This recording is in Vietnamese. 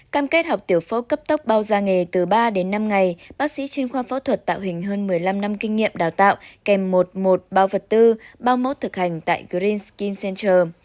cam kết học tiểu phố cấp tốc bao gia nghề từ ba đến năm ngày bác sĩ chuyên khoa phẫu thuật tạo hình hơn một mươi năm năm kinh nghiệm đào tạo kèm một một bao vật tư bao mốc thực hành tại greenskin center